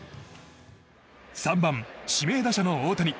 ３番、指名打者の大谷。